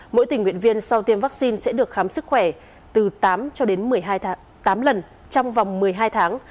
mỗi tình nguyện viên sau tiêm vaccine sẽ được khám sức khỏe từ tám cho đến tám lần trong vòng một mươi hai tháng